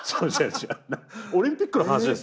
オリンピックの話です。